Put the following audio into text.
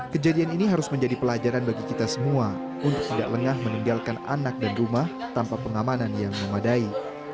kejadian ini harus menjadi pelajaran bagi kita semua untuk tidak lengah meninggalkan anak dan rumah tanpa pengamanan yang memadai